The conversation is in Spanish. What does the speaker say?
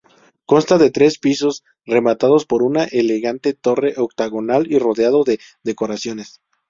Consta de tres pisos rematados por una elegante torre octogonal y rodeado de decoraciones.